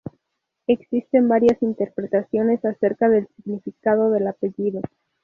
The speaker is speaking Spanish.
Existen varias interpretaciones acerca del significado del apellido.